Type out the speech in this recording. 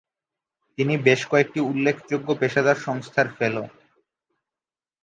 তিনি বেশ কয়েকটি উল্লেখযোগ্য পেশাদার সংস্থার ফেলো।